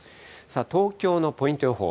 東京のポイント予報。